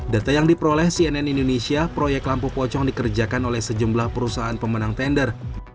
data yang diperoleh cnn indonesia proyek lampu pocong dikerjakan oleh sejumlah perusahaan pemenang tender